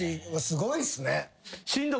すごいっすね。